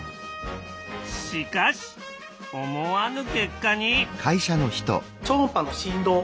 しかし思わぬ結果に。